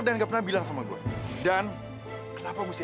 tangan lu kenapa nih